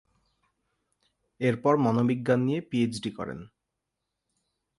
এরপর মনোবিজ্ঞান নিয়ে পিএইচডি করেন।